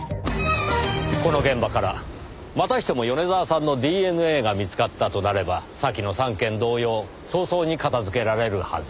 この現場からまたしても米沢さんのＤＮＡが見つかったとなれば先の３件同様早々に片づけられるはず。